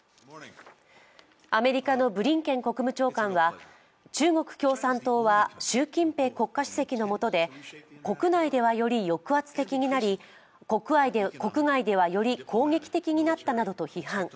アメリカのブリンケン国務長官は中国共産党は習近平国家主席のもとで国内ではより抑圧的になり、国外ではより攻撃的になったなどと批判。